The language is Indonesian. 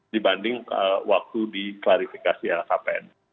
dibanding waktu diklarifikasi lkpn